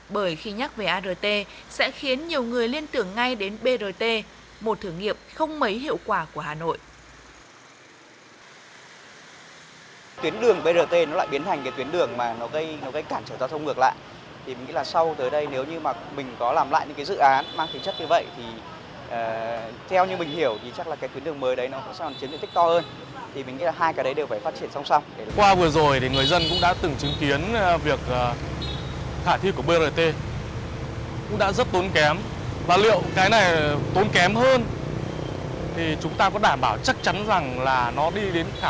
bởi khi nhắc về art sẽ khiến nhiều người liên tưởng ngay đến brt một thử nghiệm không mấy hiệu quả của hà nội